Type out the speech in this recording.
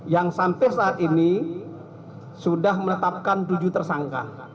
yang sampai saat ini sudah menetapkan tujuh persen dari kepala kementerian sdm